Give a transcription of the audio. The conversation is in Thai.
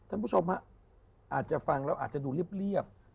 อาจจะฟังแล้วอาจจะดูเรียบ